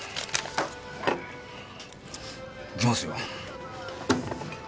行きますよ。